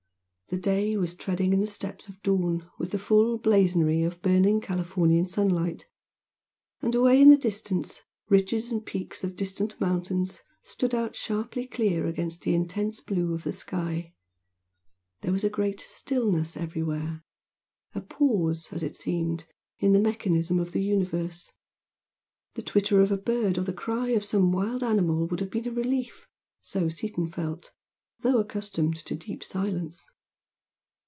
The day was treading in the steps of dawn with the full blazonry of burning Californian sunlight, and away in the distance the ridges and peaks of distant mountains stood out sharply clear against the intense blue of the sky. There was great stillness everywhere, a pause, as it seemed, in the mechanism of the universe. The twitter of a bird or the cry of some wild animal would have been a relief, so Seaton felt, though accustomed to deep silence.